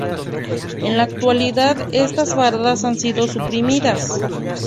En la actualidad, estas paradas han sido suprimidas.